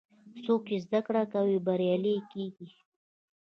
څوک چې زده کړه کوي، بریالی کېږي.